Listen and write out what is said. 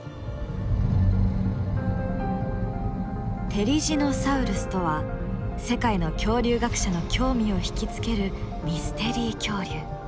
テリジノサウルスとは世界の恐竜学者の興味を引き付けるミステリー恐竜。